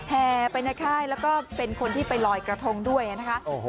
แห่ไปในค่ายแล้วก็เป็นคนที่ไปลอยกระทงด้วยนะคะ